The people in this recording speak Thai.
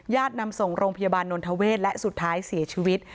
นำส่งโรงพยาบาลนนทเวศและสุดท้ายเสียชีวิต